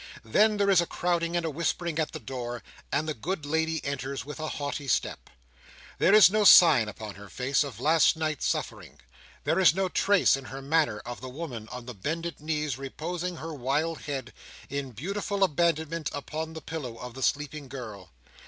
Then there is a crowding and a whispering at the door, and the good lady enters, with a haughty step. There is no sign upon her face, of last night's suffering; there is no trace in her manner, of the woman on the bended knees, reposing her wild head, in beautiful abandonment, upon the pillow of the sleeping girl.